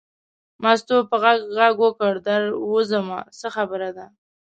مستو په غږ غږ وکړ در وځم څه خبره ده.